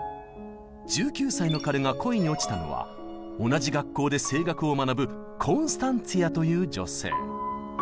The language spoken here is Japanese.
１９歳の彼が恋に落ちたのは同じ学校で声楽を学ぶコンスタンツィアという女性。